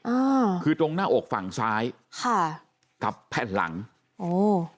อ่าคือตรงหน้าอกฝั่งซ้ายค่ะกับแผ่นหลังโอ้